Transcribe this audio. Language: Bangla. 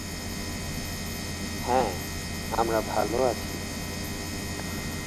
হ্যাঁ, আমরা ভালো আছি।